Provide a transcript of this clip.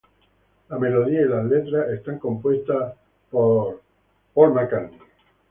La melodía y las letras están compuestas por Winehouse.